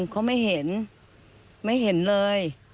เขาไม่เห็นไม่เห็นเลย